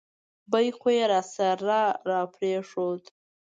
بیک خو یې راسره را پرېښود.